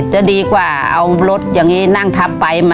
จะดีกว่าเอารถอย่างนี้นั่งทับไป